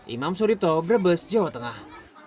imam suripto brebes jawa tengah